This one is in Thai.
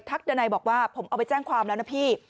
ดันัยบอกว่าผมเอาไปแจ้งความแล้วนะพี่